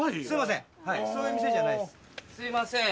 すいません。